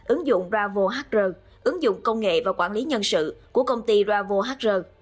ứng dụng bravo hr ứng dụng công nghệ và quản lý nhân sự của công ty bravo hr